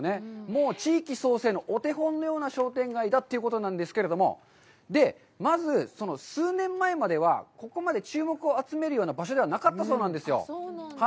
もう地域創生のお手本のような商店街だということなんですけれども、で、まず数年前まではここまで注目を集めるような場所ではなかったそうなんですよ。